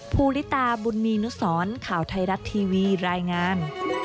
ภูริตาบุญมีนุสรข่าวไทยรัฐทีวีรายงาน